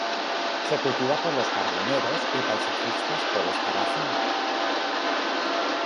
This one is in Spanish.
Se cultiva por los jardineros y paisajistas por esta razón.